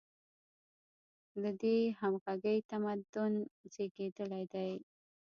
له دې همغږۍ تمدن زېږېدلی دی.